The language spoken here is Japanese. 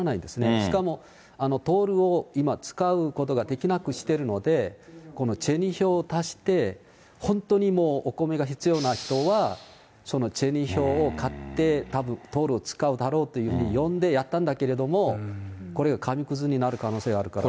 しかもドルを今、使うことができなくしているので、この銭票を出して、本当にお米が必要な人はその銭票を買って、たぶんドルを使うだろうという意味で読んでやったんだけれども、これが紙くずになる可能性があるから。